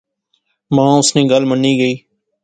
ما اس نی گل منی گئی